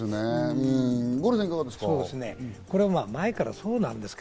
五郎さん、いかがですか？